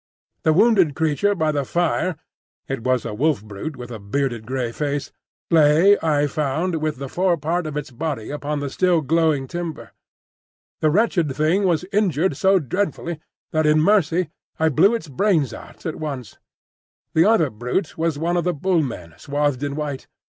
The wounded creature by the fire—it was a Wolf brute with a bearded grey face—lay, I found, with the fore part of its body upon the still glowing timber. The wretched thing was injured so dreadfully that in mercy I blew its brains out at once. The other brute was one of the Bull men swathed in white.